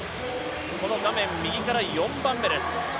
この画面右から４番目です。